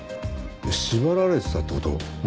縛られてたって事？